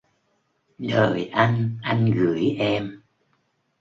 Đời anh anh gửi em